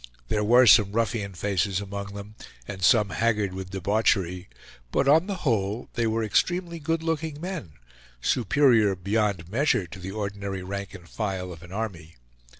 There were some ruffian faces among them, and some haggard with debauchery; but on the whole they were extremely good looking men, superior beyond measure to the ordinary rank and file of an army.